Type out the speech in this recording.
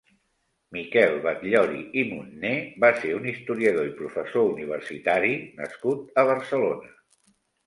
Miquel Batllori i Munné va ser un historiador i professor universitari nascut a Barcelona.